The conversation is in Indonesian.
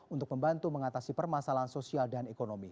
untuk membantu mengatasi permasalahan sosial dan ekonomi